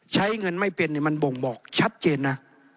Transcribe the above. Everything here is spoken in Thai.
ใช้เงินไม่เป็นมันบ่งบอกชัดเจนนะ